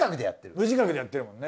無自覚でやってるもんね。